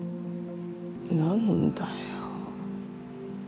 何だよ。